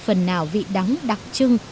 phần nào vị đắng đặc trưng